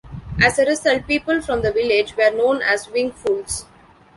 As a result, people from the village were known as "Wing Fools".